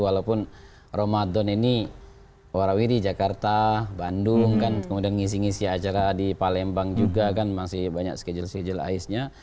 walaupun ramadan ini warawi di jakarta bandung kan kemudian ngisi ngisi acara di palembang juga kan masih banyak schedule schedule aisnya